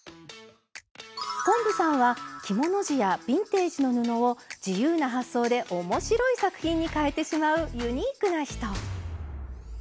昆布さんは着物地やビンテージの布を自由な発想で面白い作品にかえてしまうユニークな人。